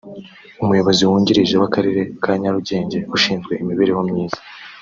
Umuyobozi wungirije w’Akarere ka Nyarugenge ushinzwe imibereho myiza